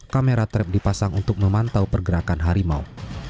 kamera trap dipasang untuk memantau pergerakan harimau